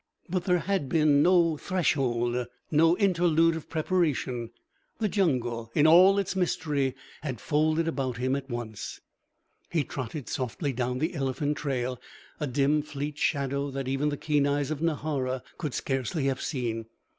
But there had been no threshold, no interlude of preparation. The jungle in all its mystery had folded about him at once. He trotted softly down the elephant trail, a dim, fleet shadow that even the keen eyes of Nahara could scarcely have seen.